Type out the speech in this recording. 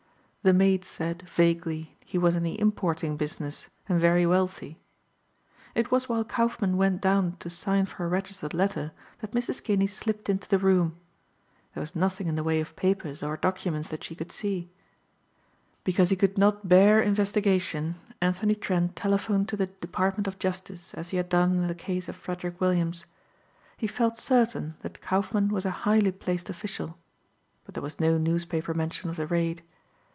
The maids said, vaguely, he was in the importing business and very wealthy. It was while Kaufmann went down to sign for a registered letter that Mrs. Kinney slipped into the room. There was nothing in the way of papers or documents that she could see. Because he could not bear investigation, Anthony Trent telephoned to the Department of Justice as he had done in the case of Frederick Williams. He felt certain that Kaufmann was a highly placed official. But there was no newspaper mention of the raid.